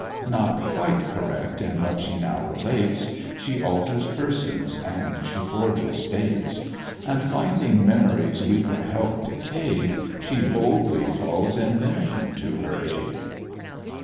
Not quite correct in what she now relates, She alters persons, and she forges dates; And finding memory's weaker help decay'd, She boldly calls invention to her aid.